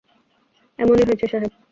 এমনই হয়েছে, সাহেব।